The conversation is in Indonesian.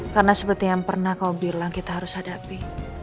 karena seperti yang pernah kau bilang kita harus hadapi